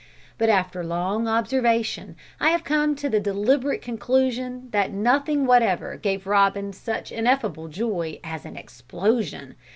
But after long observation, I have come to the deliberate conclusion that nothing whatever gave Robin such ineffable joy as an explosion!